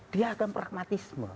dia akan pragmatisme